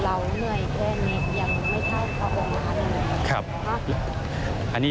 เราเหนื่อยแค่นิดยังไม่เท่ากับพระองค์อันนี้